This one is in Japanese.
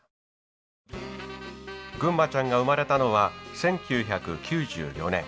ぐんまちゃんが生まれたのは１９９４年。